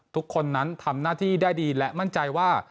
ทุกคนนั้นทำหน้าที่ได้ดีและมั่นใจว่า